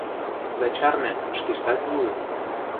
— Да чарне, шкештат йӱыт.